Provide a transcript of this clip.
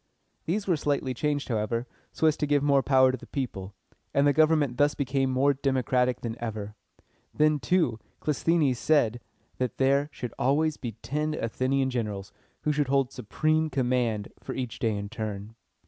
These were slightly changed, however, so as to give more power to the people; and the government thus became more democratic than ever. Then, too, Clisthenes said that there should always be ten Athenian generals who should hold supreme command each for a day in turn.